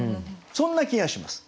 そんな気がします。